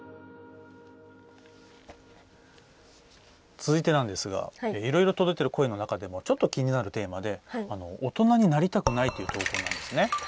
続いてなんですがいろいろと出てる声の中でもちょっと気になるテーマで「大人になりたくない」という投稿なんですね。